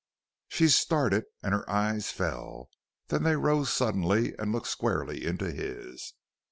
She started and her eyes fell. Then they rose suddenly and looked squarely into his.